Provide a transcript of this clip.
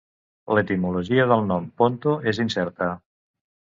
L'etimologia del nom Ponto és incerta.